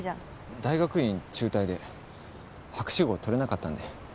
大学院中退で博士号取れなかったんで。